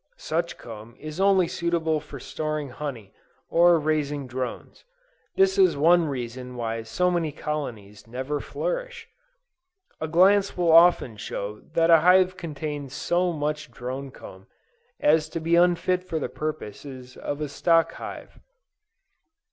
Such comb is only suitable for storing honey, or raising drones. This is one reason why so many colonies never flourish. A glance will often show that a hive contains so much drone comb, as to be unfit for the purposes of a stock hive.